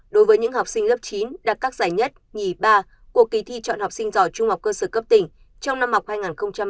đối với những học sinh lớp chín đạt các giải nhất nhì ba của kỳ thi chọn học sinh giỏi trung học cơ sở cấp tỉnh trong năm học hai nghìn hai mươi hai nghìn hai mươi